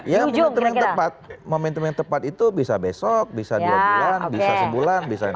ya momentum yang tepat itu bisa besok bisa dua bulan bisa sebulan bisa yang lain